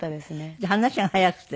じゃあ話が早くて。